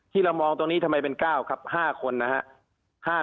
ที่เรามองตรงนี้ทำไมเป็น๙ครับ๕คนนะครับ